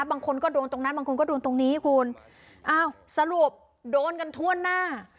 บางคนก็โดนตรงนั้นบางคนก็โดนตรงนี้คุณอ้าวสรุปโดนกันทั่วหน้า